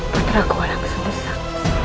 puteraku langsung besar